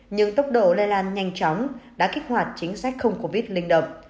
nhưng tốc độ lây lan nhanh chóng đã kích hoạt chính sách không covid linh động